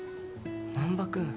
難破君。